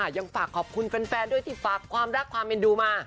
ยังฝากขอบคุณแฟนด้วยที่ฝากความรักความเอ็นดูมา